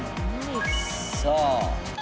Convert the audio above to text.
さあ。